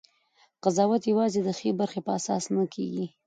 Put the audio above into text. قضاوت یوازې د ښې برخې په اساس نه کېږي.